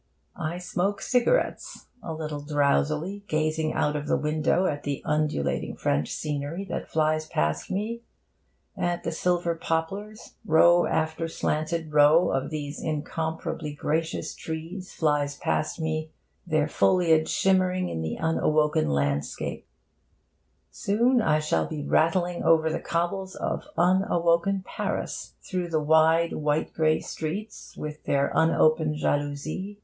I smoke cigarettes, a little drowsily gazing out of the window at the undulating French scenery that flies past me, at the silver poplars. Row after slanted row of these incomparably gracious trees flies past me, their foliage shimmering in the unawoken landscape Soon I shall be rattling over the cobbles of unawoken Paris, through the wide white grey streets with their unopened jalousies.